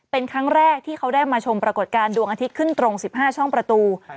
เป็นครั้งแรกที่เขาได้มาชมปรากฏการณ์ดวงอาทิตย์ขึ้นตรง๑๕ช่องประตู